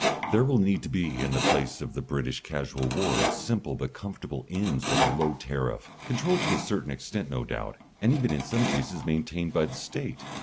There will need to be, in the place of the British casual wards, simple but comfortable inns with a low tariff controlled to a certain extent no doubt, and even in some cases maintained, by the State.